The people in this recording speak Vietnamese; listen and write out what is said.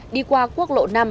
đi qua quốc lộ năm